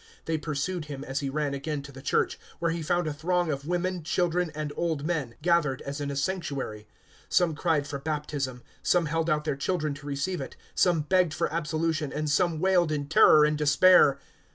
They pursued him, as he ran again to the church, where he found a throng of women, children, and old men, gathered as in a sanctuary. Some cried for baptism, some held out their children to receive it, some begged for absolution, and some wailed in terror and despair.